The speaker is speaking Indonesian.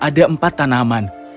pada empat tanaman